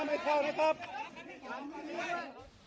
ไม่เข้านะไม่เข้านะครับ